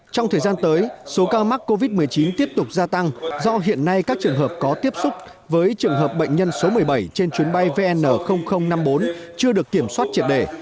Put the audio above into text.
trong thời gian tới số ca mắc covid một mươi chín tiếp tục gia tăng do hiện nay các trường hợp có tiếp xúc với trường hợp bệnh nhân số một mươi bảy trên chuyến bay vn năm mươi bốn chưa được kiểm soát triệt đề